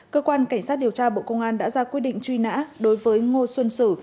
cơ quan cảnh sát điều tra bộ công an đã ra quyết định truy nã đối với ngô xuân sử